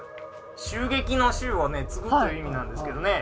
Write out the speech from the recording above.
襲撃の襲をね継ぐという意味なんですけどね